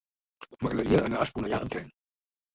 M'agradaria anar a Esponellà amb tren.